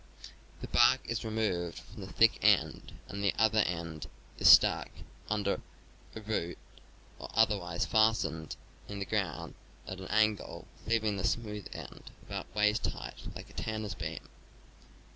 The bark is removed from the thick end and the other end is stuck under a root or otherwise fastened in the ground at an angle, leaving the smoothe end about waist high, like a tanner's beam.